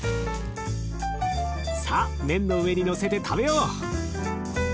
さあ麺の上にのせて食べよう！